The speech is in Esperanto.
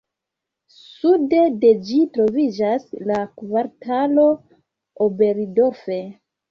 Sude de ĝi troviĝas la kvartalo Oberdorf.